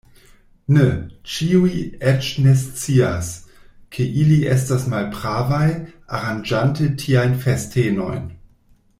Ne, kiuj eĉ nescias, ke ili estas malpravaj, aranĝante tiajn festenojn.